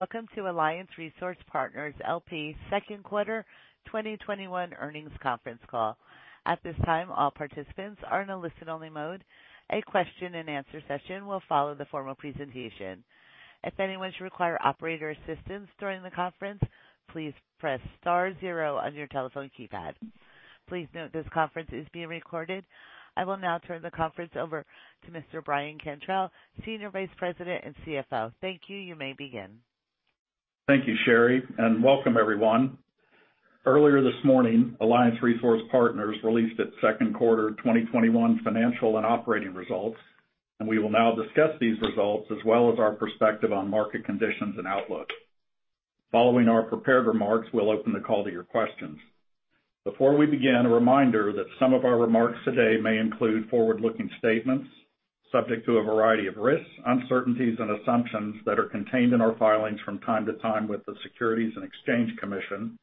Welcome to Alliance Resource Partners, LP second quarter 2021 earnings conference call. At this time, all participants are in a listen-only mode. A question and answer session will follow the formal presentation. If anyone should require operator assistance during the conference, please press star zero on your telephone keypad. Please note this conference is being recorded. I will now turn the conference over to Mr. Brian Cantrell, Senior Vice President and CFO. Thank you. You may begin. Thank you, Sherry, and welcome everyone. Earlier this morning, Alliance Resource Partners released its second quarter 2021 financial and operating results. We will now discuss these results as well as our perspective on market conditions and outlook. Following our prepared remarks, we'll open the call to your questions. Before we begin, a reminder that some of our remarks today may include forward-looking statements, subject to a variety of risks, uncertainties, and assumptions that are contained in our filings from time to time with the Securities and Exchange Commission,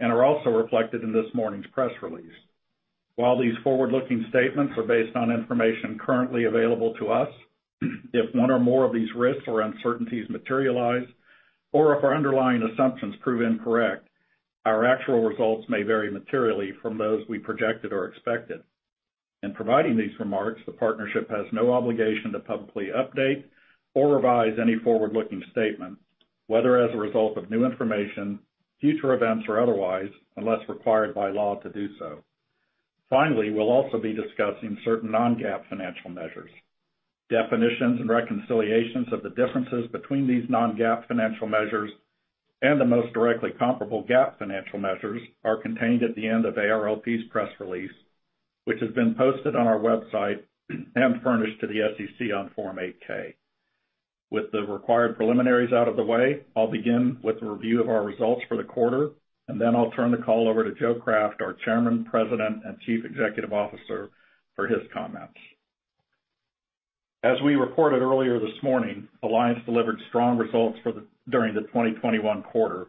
and are also reflected in this morning's press release. While these forward-looking statements are based on information currently available to us, if one or more of these risks or uncertainties materialize, or if our underlying assumptions prove incorrect, our actual results may vary materially from those we projected or expected. In providing these remarks, the partnership has no obligation to publicly update or revise any forward-looking statements, whether as a result of new information, future events, or otherwise, unless required by law to do so. Finally, we'll also be discussing certain non-GAAP financial measures. Definitions and reconciliations of the differences between these non-GAAP financial measures and the most directly comparable GAAP financial measures are contained at the end of ARLP's press release, which has been posted on our website and furnished to the SEC on Form 8-K. With the required preliminaries out of the way, I'll begin with a review of our results for the quarter, and then I'll turn the call over to Joe Craft, our Chairman, President, and Chief Executive Officer, for his comments. As we reported earlier this morning, Alliance delivered strong results during the 2021 quarter,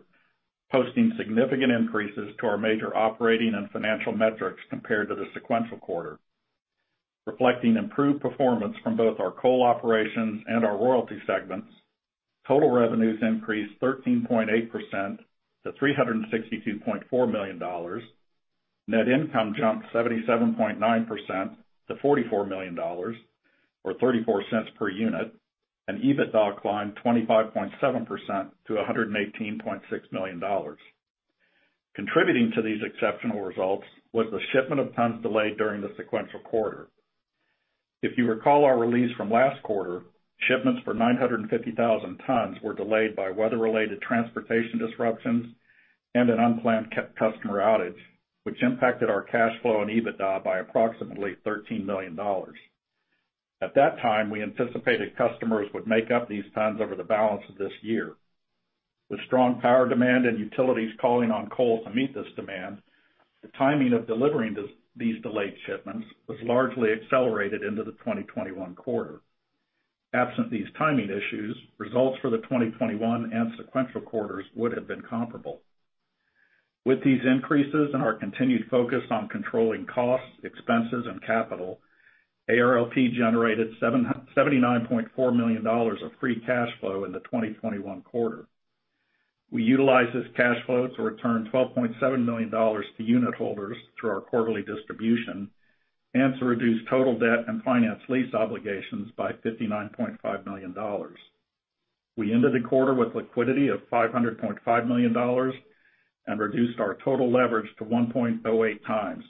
posting significant increases to our major operating and financial metrics compared to the sequential quarter. Reflecting improved performance from both our coal operations and our royalty segments, total revenues increased 13.8% to $362.4 million. Net income jumped 77.9% to $44 million, or $0.34 per unit, and EBITDA climbed 25.7% to $118.6 million. Contributing to these exceptional results was the shipment of tons delayed during the sequential quarter. If you recall our release from last quarter, shipments for 950,000 tons were delayed by weather-related transportation disruptions and an unplanned customer outage, which impacted our cash flow and EBITDA by approximately $13 million. At that time, we anticipated customers would make up these tons over the balance of this year. With strong power demand and utilities calling on coal to meet this demand, the timing of delivering these delayed shipments was largely accelerated into the 2021 quarter. Absent these timing issues, results for the 2021 and sequential quarters would have been comparable. With these increases and our continued focus on controlling costs, expenses, and capital, ARLP generated $79.4 million of free cash flow in the 2021 quarter. We utilized this cash flow to return $12.7 million to unit holders through our quarterly distribution and to reduce total debt and finance lease obligations by $59.5 million. We ended the quarter with liquidity of $500.5 million and reduced our total leverage to 1.08x,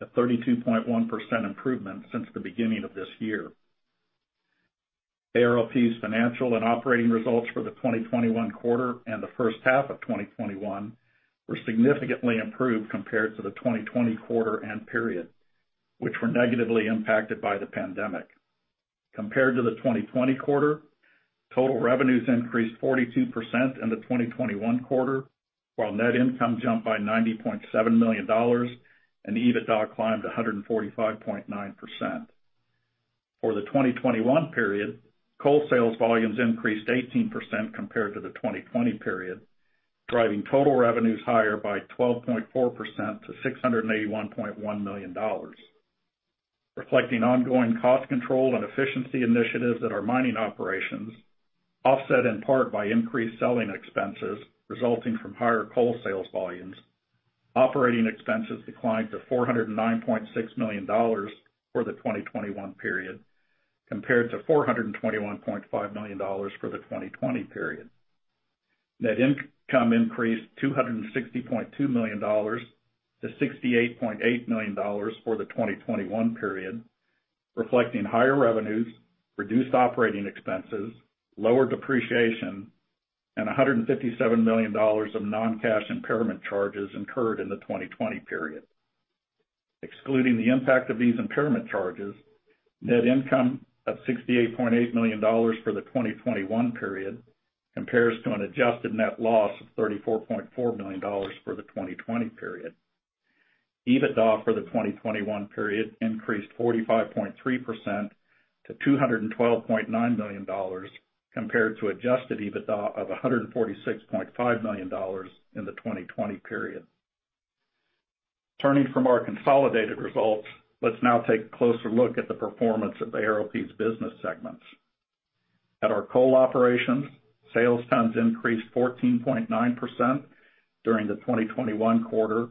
a 32.1% improvement since the beginning of this year. ARLP's financial and operating results for the 2021 quarter and the first half of 2021 were significantly improved compared to the 2020 quarter and period, which were negatively impacted by the pandemic. Compared to the 2020 quarter, total revenues increased 42% in the 2021 quarter, while net income jumped by $90.7 million and EBITDA climbed to 145.9%. For the 2021 period, coal sales volumes increased 18% compared to the 2020 period, driving total revenues higher by 12.4% to $681.1 million. Reflecting ongoing cost control and efficiency initiatives at our mining operations, offset in part by increased selling expenses resulting from higher coal sales volumes, operating expenses declined to $409.6 million for the 2021 period, compared to $421.5 million for the 2020 period. Net income increased $260.2 million to $68.8 million for the 2021 period, reflecting higher revenues, reduced operating expenses, lower depreciation, and $157 million of non-cash impairment charges incurred in the 2020 period. Excluding the impact of these impairment charges, net income of $68.8 million for the 2021 period compares to an adjusted net loss of $34.4 million for the 2020 period. EBITDA for the 2021 period increased 45.3% to $212.9 million compared to adjusted EBITDA of $146.5 million in the 2020 period. Turning from our consolidated results, let's now take a closer look at the performance of ARLP's business segments. At our coal operations, sales tons increased 14.9% during the 2021 quarter,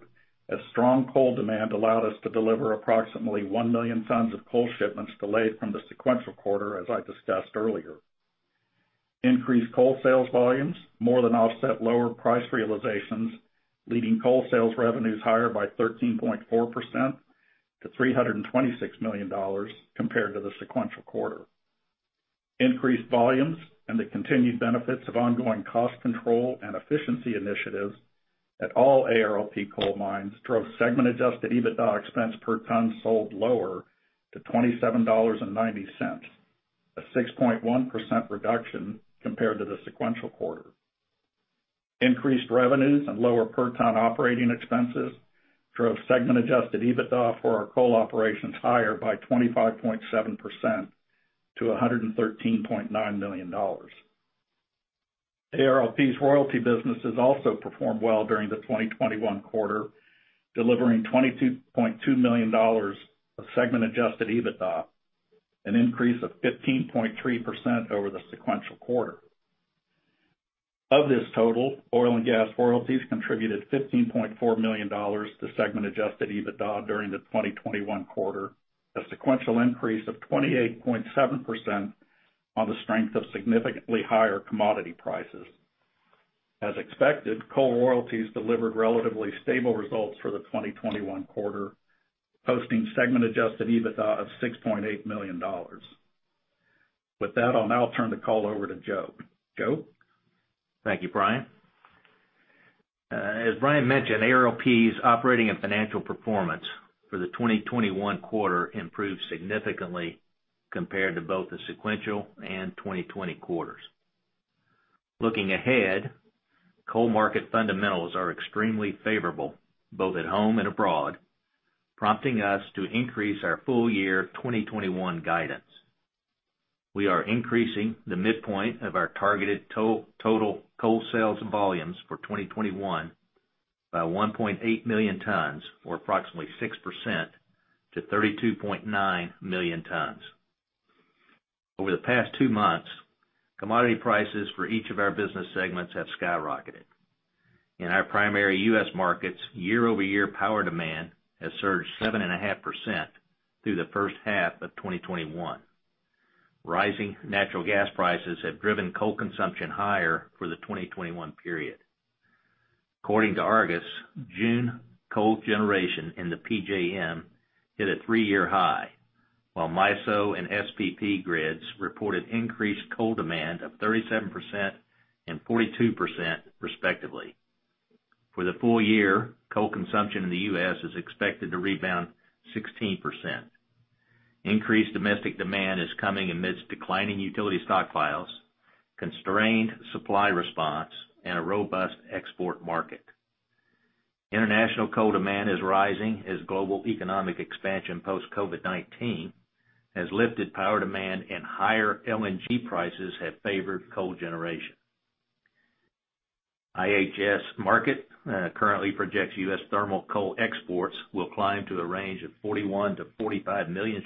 as strong coal demand allowed us to deliver approximately 1 million tons of coal shipments delayed from the sequential quarter, as I discussed earlier. Increased coal sales volumes more than offset lower price realizations, leading coal sales revenues higher by 13.4% to $326 million compared to the sequential quarter. Increased volumes and the continued benefits of ongoing cost control and efficiency initiatives at all ARLP coal mines drove segment adjusted EBITDA expense per ton sold lower to $27.90, a 6.1% reduction compared to the sequential quarter. Increased revenues and lower per ton operating expenses drove segment adjusted EBITDA for our coal operations higher by 25.7% to $113.9 million. ARLP's royalty businesses also performed well during the 2021 quarter, delivering $22.2 million of segment adjusted EBITDA, an increase of 15.3% over the sequential quarter. Of this total, oil and gas royalties contributed $15.4 million to segment adjusted EBITDA during the 2021 quarter, a sequential increase of 28.7% on the strength of significantly higher commodity prices. As expected, coal royalties delivered relatively stable results for the 2021 quarter, posting segment adjusted EBITDA of $6.8 million. With that, I'll now turn the call over to Joe. Joe? Thank you, Brian. As Brian mentioned, ARLP's operating and financial performance for the 2021 quarter improved significantly compared to both the sequential and 2020 quarters. Looking ahead, coal market fundamentals are extremely favorable, both at home and abroad, prompting us to increase our full year 2021 guidance. We are increasing the midpoint of our targeted total coal sales volumes for 2021 by 1.8 million tons or approximately 6% to 32.9 million tons. Over the past two months, commodity prices for each of our business segments have skyrocketed. In our primary U.S. markets, year-over-year power demand has surged 7.5% through the first half of 2021. Rising natural gas prices have driven coal consumption higher for the 2021 period. According to Argus, June coal generation in the PJM hit a three-year high, while MISO and SPP grids reported increased coal demand of 37% and 42% respectively. For the full year, coal consumption in the U.S. is expected to rebound 16%. Increased domestic demand is coming amidst declining utility stockpiles, constrained supply response, and a robust export market. International coal demand is rising as global economic expansion post-COVID-19 has lifted power demand and higher LNG prices have favored coal generation. IHS Markit currently projects U.S. thermal coal exports will climb to a range of 41 million-45 million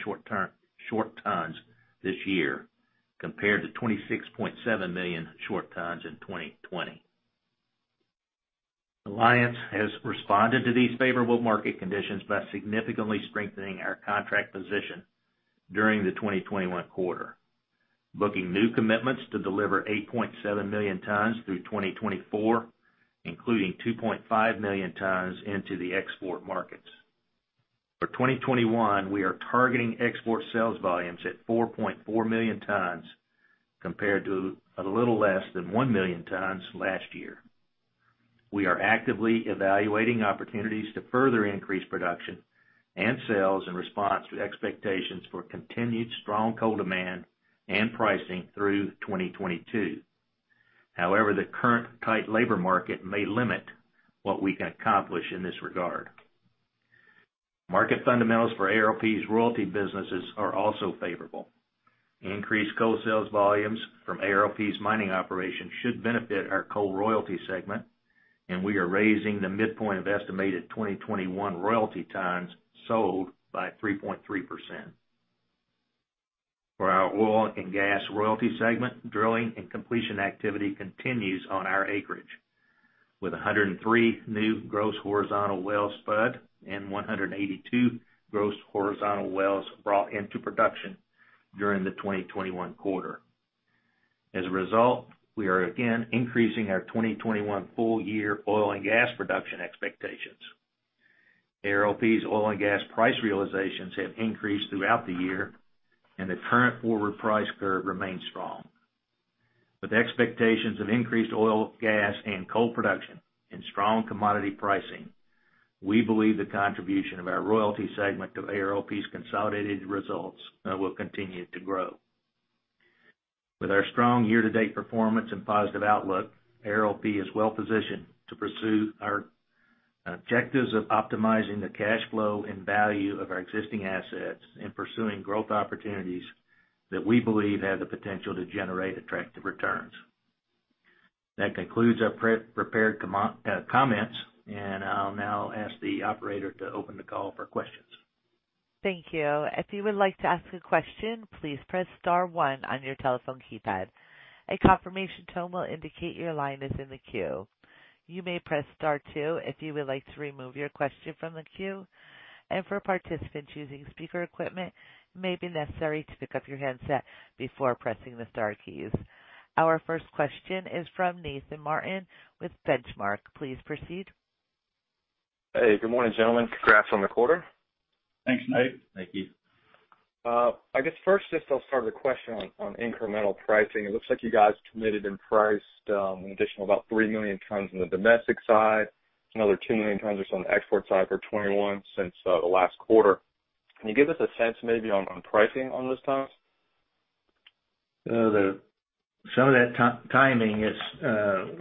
short tons this year compared to 26.7 million short tons in 2020. Alliance has responded to these favorable market conditions by significantly strengthening our contract position during the 2021 quarter. Booking new commitments to deliver 8.7 million tons through 2024, including 2.5 million tons into the export markets. For 2021, we are targeting export sales volumes at 4.4 million tons compared to a little less than 1 million tons last year. We are actively evaluating opportunities to further increase production and sales in response to expectations for continued strong coal demand and pricing through 2022. However, the current tight labor market may limit what we can accomplish in this regard. Market fundamentals for ARLP's royalty businesses are also favorable. Increased coal sales volumes from ARLP's mining operations should benefit our coal royalty segment, and we are raising the midpoint of estimated 2021 royalty tons sold by 3.3%. For our oil and gas royalty segment, drilling and completion activity continues on our acreage with 103 new gross horizontal wells spud and 182 gross horizontal wells brought into production during the 2021 quarter. As a result, we are again increasing our 2021 full year oil and gas production expectations. ARLP's oil and gas price realizations have increased throughout the year, and the current forward price curve remains strong. With expectations of increased oil, gas, and coal production and strong commodity pricing, we believe the contribution of our royalty segment of ARLP's consolidated results will continue to grow. With our strong year-to-date performance and positive outlook, ARLP is well positioned to pursue our objectives of optimizing the cash flow and value of our existing assets and pursuing growth opportunities that we believe have the potential to generate attractive returns. That concludes our prepared comments, and I'll now ask the operator to open the call for questions. Thank you. If you would like to ask a question, please press star one on your telephone keypad. A confirmation tone will indicate your line is in the queue. You may press star two if you would like to remove your question from the queue. And for participants, using speaker equipment may be necessary to pick up your handset before pressing the star keys. Our first question is from Nathan Martin with Benchmark. Please proceed. Hey, good morning, gentlemen. Congrats on the quarter. Thanks, Nate. Thank you. I guess first, just I'll start with a question on incremental pricing. It looks like you guys committed and priced an additional about 3 million tons on the domestic side, another 2 million tons or so on the export side for 2021 since the last quarter. Can you give us a sense maybe on pricing on those tons? Some of that timing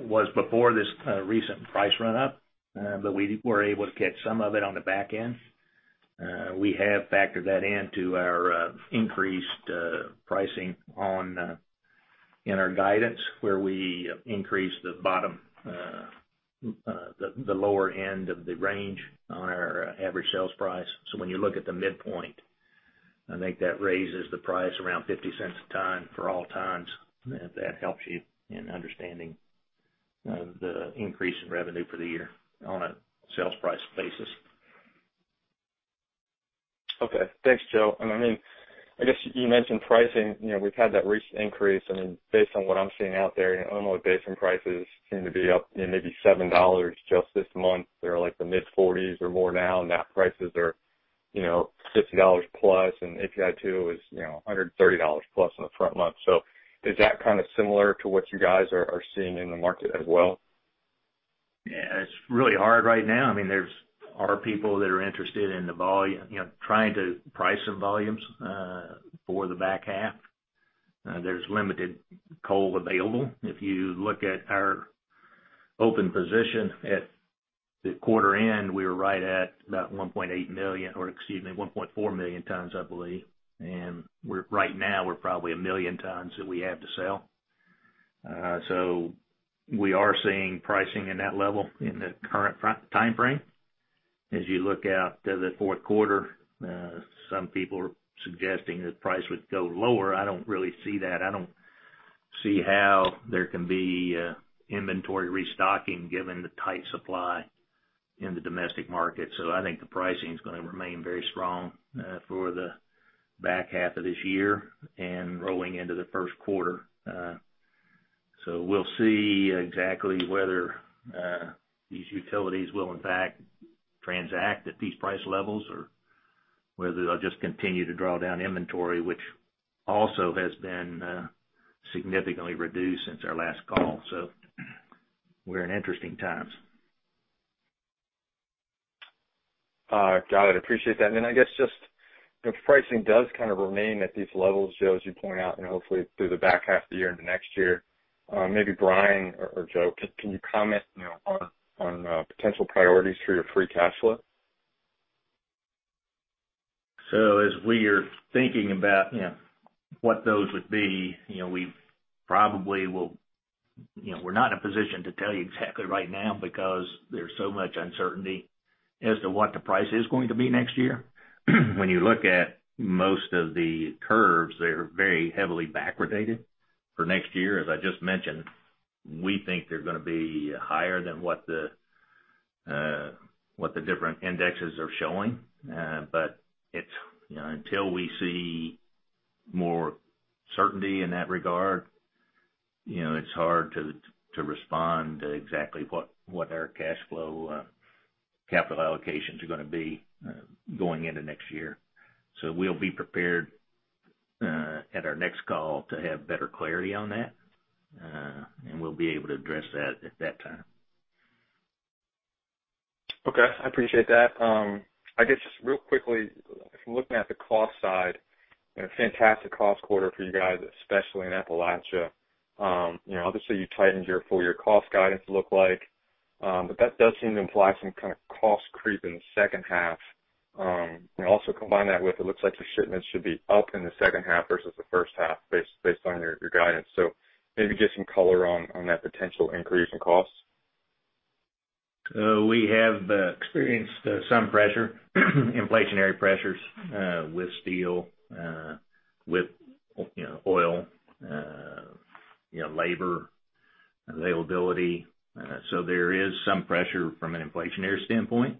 was before this recent price run-up, but we were able to get some of it on the back end. We have factored that into our increased pricing in our guidance, where we increased the lower end of the range on our average sales price. When you look at the midpoint, I think that raises the price around $0.50 a ton for all tons. If that helps you in understanding the increase in revenue for the year on a sales price basis. Okay. Thanks, Joe. I guess you mentioned pricing. We've had that recent increase, and then based on what I'm seeing out there, Illinois Basin prices seem to be up maybe $7 just this month. They are like the mid-$40s or more now, and that prices are $50+, and API2 is $130+ in the front month. Is that kind of similar to what you guys are seeing in the market as well? Yeah, it's really hard right now. There are people that are interested in the volume, trying to price some volumes for the back half. There's limited coal available. If you look at our open position at the quarter end, we were right at about 1.8 million, or excuse me, 1.4 million tons, I believe. Right now, we're probably 1 million tons that we have to sell. We are seeing pricing in that level in the current timeframe. As you look out to the fourth quarter, some people are suggesting that price would go lower. I don't really see that. I don't see how there can be inventory restocking given the tight supply in the domestic market. I think the pricing is going to remain very strong for the back half of this year and rolling into the first quarter. We'll see exactly whether these utilities will in fact transact at these price levels or whether they'll just continue to draw down inventory, which also has been significantly reduced since our last call. We're in interesting times. Got it. Appreciate that. I guess just if pricing does kind of remain at these levels, Joe, as you point out, and hopefully through the back half of the year into next year, maybe Brian or Joe, can you comment on potential priorities for your free cash flow? As we are thinking about what those would be, we're not in a position to tell you exactly right now because there's so much uncertainty as to what the price is going to be next year. When you look at most of the curves, they're very heavily backwardated for next year. As I just mentioned, we think they're going to be higher than what the different indexes are showing. Until we see more certainty in that regard, it's hard to respond to exactly what our cash flow capital allocations are going to be going into next year. We'll be prepared at our next call to have better clarity on that, and we'll be able to address that at that time. Okay. I appreciate that. I guess just real quickly, from looking at the cost side, a fantastic cost quarter for you guys, especially in Appalachia. Obviously, you tightened your full-year cost guidance look like. That does seem to imply some kind of cost creep in the second half. Also combine that with it looks like the shipments should be up in the second half versus the 1st half based on your guidance. Maybe give some color on that potential increase in costs. We have experienced some pressure, inflationary pressures with steel, with oil, labor availability. There is some pressure from an inflationary standpoint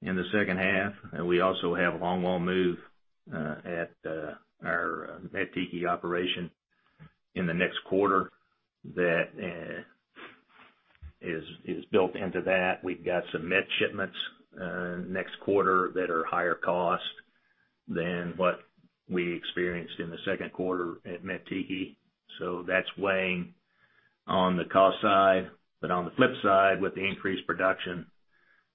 in the second half. We also have a longwall move at our Mettiki operation in the next quarter that is built into that. We've got some met shipments next quarter that are higher cost than what we experienced in the second quarter at Mettiki. That's weighing on the cost side. On the flip side, with the increased production,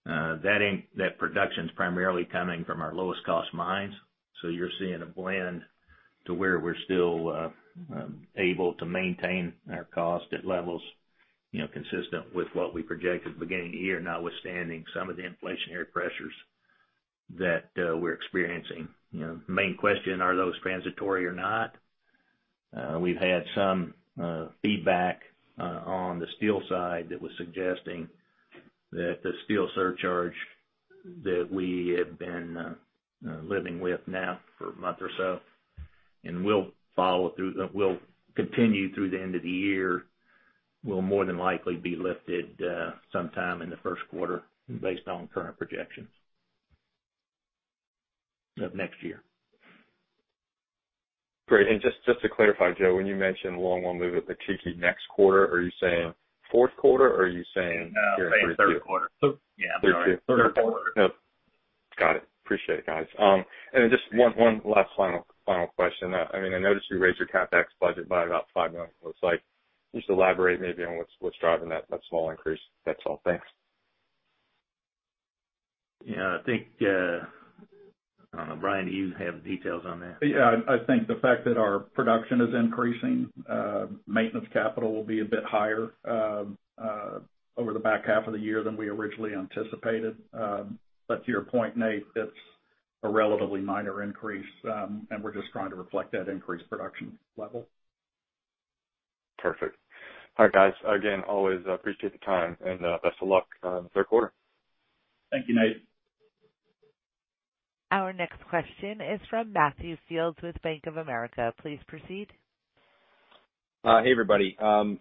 that production's primarily coming from our lowest cost mines. You're seeing a blend to where we're still able to maintain our cost at levels consistent with what we projected at the beginning of the year, notwithstanding some of the inflationary pressures that we're experiencing. Main question, are those transitory or not? We've had some feedback on the steel side that was suggesting that the steel surcharge that we have been living with now for a month or so, and will continue through the end of the year, will more than likely be lifted sometime in the first quarter based on current projections of next year. Great. Just to clarify, Joe, when you mention longwall move at Mettiki next quarter, are you saying fourth quarter or are you saying year end third quarter? No, I'm saying third quarter. Third quarter. Yeah. I'm sorry. Third quarter. Yep. Got it. Appreciate it, guys. Just one last final question. I noticed you raised your CapEx budget by about $5 million. Just elaborate maybe on what's driving that small increase. That's all. Thanks. Yeah. I think, I don't know, Brian, do you have details on that? Yeah. I think the fact that our production is increasing, maintenance capital will be a bit higher over the back half of the year than we originally anticipated. To your point, Nate, it's a relatively minor increase, and we're just trying to reflect that increased production level. Perfect. All right, guys. Again, always appreciate the time and best of luck on the third quarter. Thank you, Nate. Our next question is from Matthew Fields with Bank of America. Please proceed. Hey, everybody. I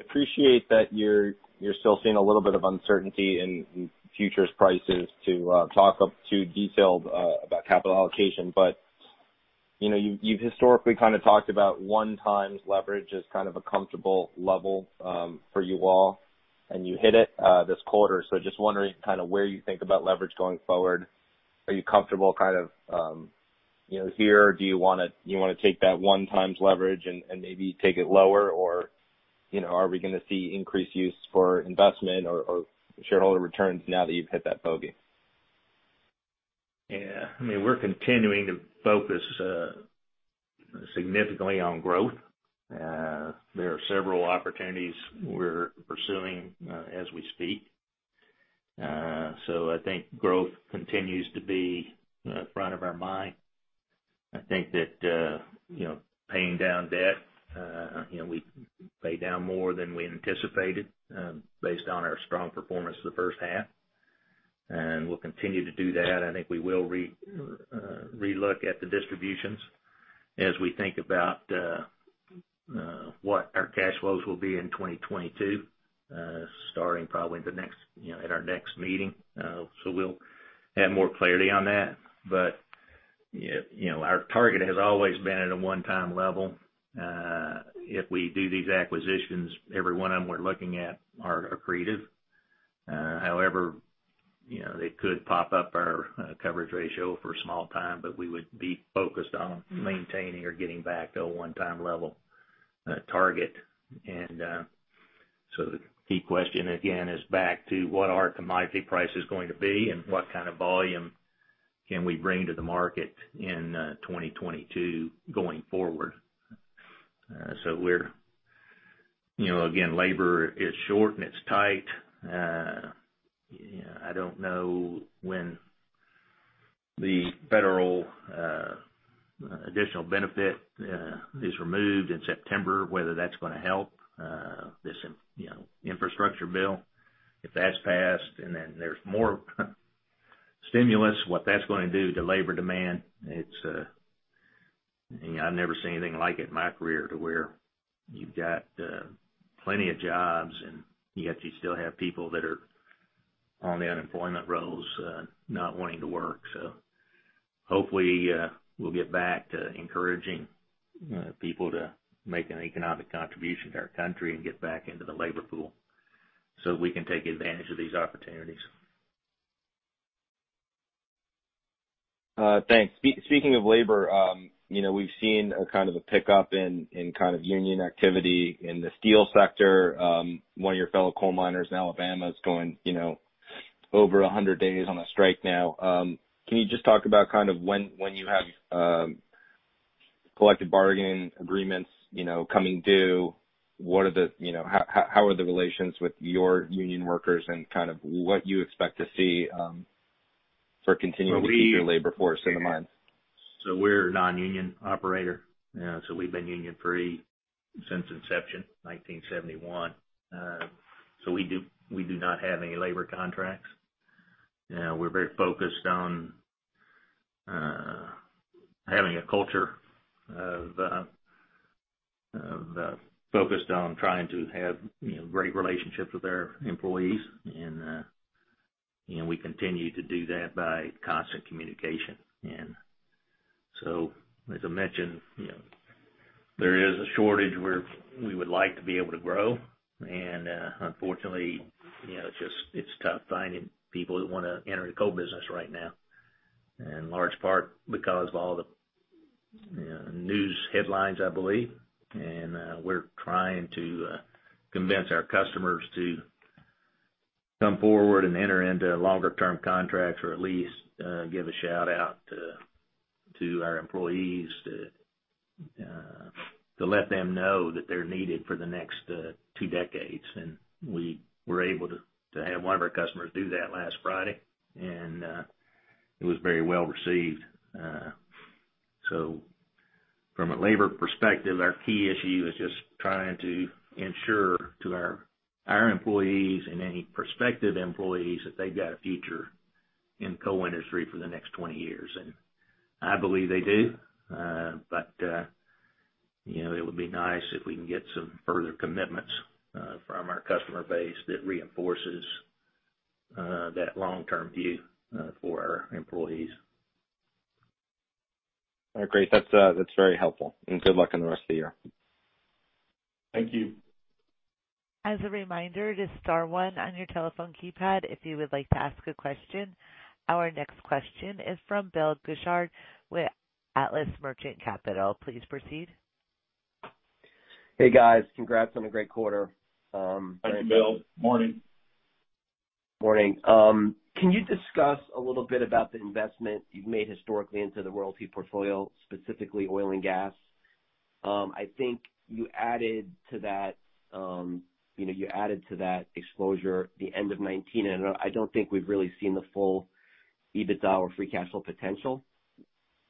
appreciate that you're still seeing a little bit of uncertainty in futures prices to talk up to detailed about capital allocation. You've historically kind of talked about 1x leverage as kind of a comfortable level for you all, and you hit it this quarter. Just wondering kind of where you think about leverage going forward. Are you comfortable kind of here? Do you want to take that 1x leverage and maybe take it lower? Are we going to see increased use for investment or shareholder returns now that you've hit that bogey? Yeah. We're continuing to focus significantly on growth. There are several opportunities we're pursuing as we speak. I think growth continues to be front of our mind. I think that paying down debt, we paid down more than we anticipated based on our strong performance the first half, and we'll continue to do that. I think we will re-look at the distributions as we think about what our cash flows will be in 2022, starting probably at our next meeting. We'll have more clarity on that. Our target has always been at a 1x level. If we do these acquisitions, every one of them we're looking at are accretive. However, they could pop up our coverage ratio for a small time, but we would be focused on maintaining or getting back to a 1x level target. The key question again is back to what are commodity prices going to be and what kind of volume can we bring to the market in 2022 going forward? Again, labor is short and it's tight. I don't know when the federal additional benefit is removed in September, whether that's going to help this infrastructure bill. If that's passed, and then there's more stimulus, what that's going to do to labor demand. I've never seen anything like it in my career to where you've got plenty of jobs and yet you still have people that are on the unemployment rolls not wanting to work. Hopefully we'll get back to encouraging people to make an economic contribution to our country and get back into the labor pool so that we can take advantage of these opportunities. Thanks. Speaking of labor, we've seen a kind of a pickup in kind of union activity in the steel sector. One of your fellow coal miners in Alabama is going over 100 days on a strike now. Can you just talk about when you have collective bargain agreements coming due? How are the relations with your union workers and what you expect to see for continuing to keep your labor force in the mines? We're a non-union operator. We've been union-free since inception, 1971. We do not have any labor contracts. We're very focused on having a culture focused on trying to have great relationships with our employees, and we continue to do that by constant communication. As I mentioned, there is a shortage where we would like to be able to grow. Unfortunately, it's tough finding people that want to enter the coal business right now, in large part because of all the news headlines, I believe. We're trying to convince our customers to come forward and enter into longer-term contracts or at least give a shout-out to our employees to let them know that they're needed for the next two decades. We were able to have one of our customers do that last Friday, and it was very well-received. From a labor perspective, our key issue is just trying to ensure to our employees and any prospective employees that they've got a future in the coal industry for the next 20 years. I believe they do. It would be nice if we can get some further commitments from our customer base that reinforces that long-term view for our employees. All right, great. That's very helpful. Good luck on the rest of the year. Thank you. As a reminder, just star one on your telephone keypad if you would like to ask a question. Our next question is from Bill Gushard with Atlas Merchant Capital. Please proceed. Hey, guys. Congrats on a great quarter. Thank you, Bill. Morning. Morning. Can you discuss a little bit about the investment you've made historically into the royalty portfolio, specifically oil and gas? I think you added to that exposure at the end of 2019, I don't think we've really seen the full EBITDA or free cash flow potential.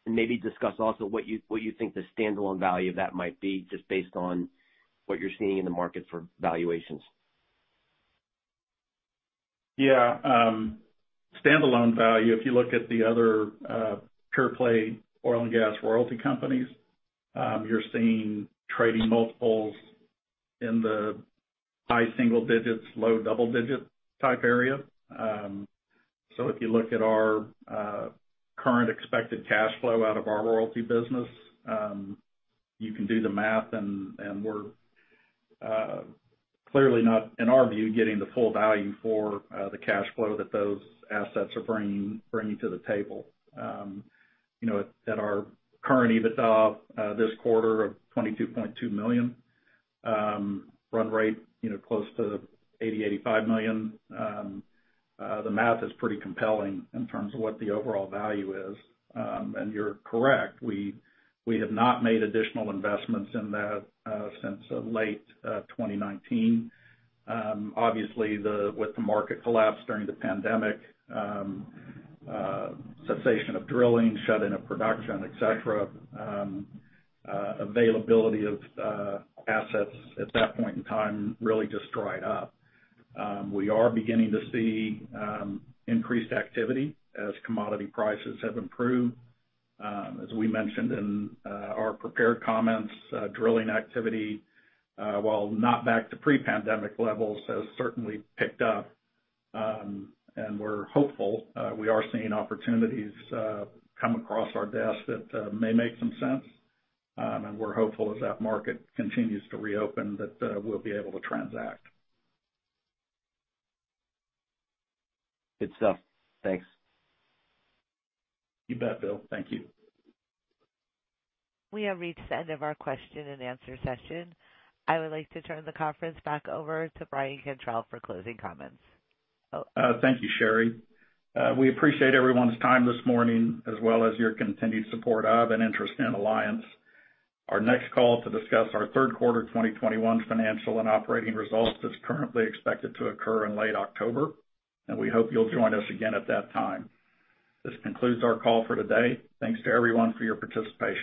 Maybe discuss also what you think the standalone value of that might be, just based on what you're seeing in the market for valuations. Yeah. Standalone value, if you look at the other pure-play oil and gas royalty companies, you're seeing trading multiples in the high single digits, low double digit type area. If you look at our current expected cash flow out of our royalty business, you can do the math, and we're clearly not, in our view, getting the full value for the cash flow that those assets are bringing to the table. At our current EBITDA this quarter of $22.2 million, run rate close to $80 million-$85 million, the math is pretty compelling in terms of what the overall value is. You're correct, we have not made additional investments in that since late 2019. Obviously, with the market collapse during the pandemic, cessation of drilling, shutting of production, et cetera, availability of assets at that point in time really just dried up. We are beginning to see increased activity as commodity prices have improved. As we mentioned in our prepared comments, drilling activity, while not back to pre-pandemic levels, has certainly picked up. We're hopeful. We are seeing opportunities come across our desk that may make some sense. We're hopeful as that market continues to reopen, that we'll be able to transact. Good stuff. Thanks. You bet, Bill. Thank you. We have reached the end of our question and answer session. I would like to turn the conference back over to Brian Cantrell for closing comments. Thank you, Sherry. We appreciate everyone's time this morning, as well as your continued support of and interest in Alliance. Our next call to discuss our third quarter 2021 financial and operating results is currently expected to occur in late October, and we hope you'll join us again at that time. This concludes our call for today. Thanks to everyone for your participation.